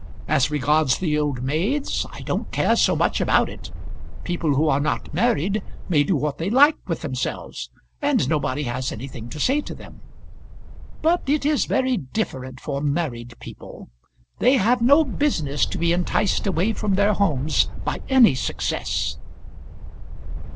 As regards the old maids, I don't care so much about it; people who are not married may do what they like with themselves, and nobody has anything to say to them. But it is very different for married people. They have no business to be enticed away from their homes by any success."